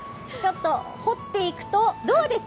掘っていくとどうです？